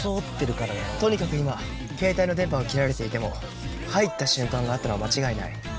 とにかく今携帯の電波は切られていても入った瞬間があったのは間違いない。